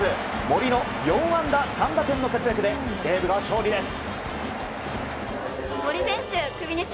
森の４安打３打点の活躍で西武が勝利です。